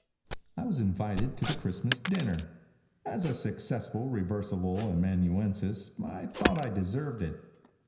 I was invited to the Christmas dinner. As a successful reversible amanuensis I thought I deserved it.